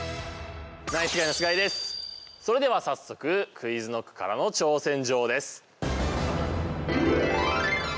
それでは早速ＱｕｉｚＫｎｏｃｋからの挑戦状です。